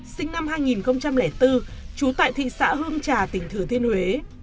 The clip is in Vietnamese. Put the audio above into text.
sinh năm hai nghìn bốn trú tại thị xã hương trà tỉnh thừa thiên huế